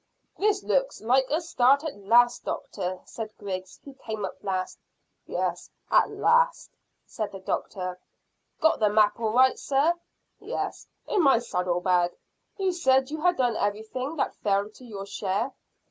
"This looks like a start at last, doctor," said Griggs, who came up last. "Yes, at last," said the doctor. "Got the map all right, sir?" "Yes, in my saddle bag. You said you had done everything that fell to your share."